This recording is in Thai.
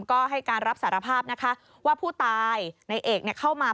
ก็ให้การรับสารภาพนะคะว่าผู้ตายในเอกเข้ามา